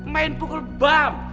main pukul bom